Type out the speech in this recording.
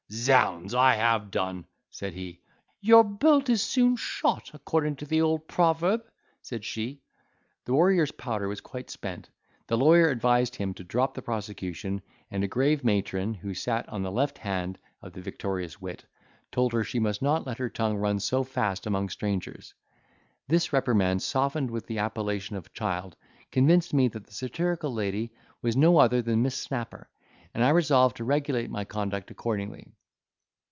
"Zounds, I have done," said he. "Your bolt is soon shot, according to the old proverb," said she. The warrior's powder was quite spent; the lawyer advised him to drop the prosecution, and a grave matron, who sat on the left hand of the victorious wit, told her she must not let her tongue run so fast among strangers. This reprimand, softened with the appellation of child, convinced me that the satirical lady was no other than Miss Snapper, and I resolved to regulate my conduct accordingly.